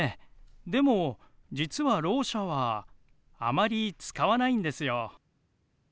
でも実はろう者はあまり使わないんですよ。